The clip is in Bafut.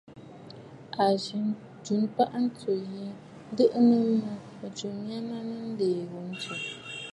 A jɨ ntwaʼa ntsǔ yi, ǹdɨʼɨ nɨ mə mɨ̀jɨ mya naŋsə nlìì ghu ntsù.